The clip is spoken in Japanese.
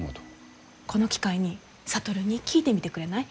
この機会に智に聞いてみてくれない？